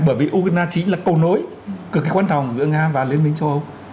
bởi vì ukraine chính là cầu nối cực kỳ quan trọng giữa nga và liên minh châu âu